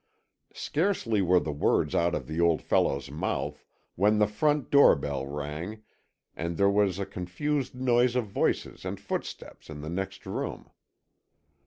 Scarcely were the words out of the old fellow's mouth when the front door bell rang and there was a confused noise of voices and footsteps in the next room.